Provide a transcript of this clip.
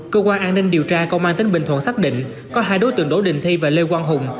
cơ quan an ninh điều tra công an tỉnh bình thuận xác định có hai đối tượng đỗ đình thi và lê quang hùng